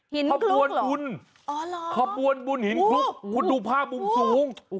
หินคลุกเหรออ๋อเหรอขบวนบุญหินคลุกคุณดูภาพมุมสูง